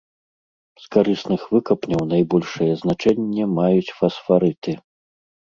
З карысных выкапняў найбольшае значэнне маюць фасфарыты.